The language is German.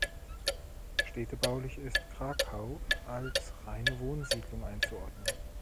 Städtebaulich ist Cracau als reine Wohnsiedlung einzuordnen.